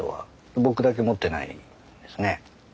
僕だけ持ってないんですね。